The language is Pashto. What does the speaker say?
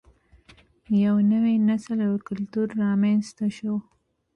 یو نوی نسل او کلتور رامینځته شو